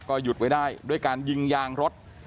หยุดไว้ได้ด้วยการยิงยางรถ